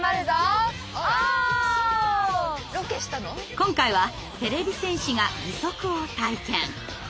今回はてれび戦士が義足を体験。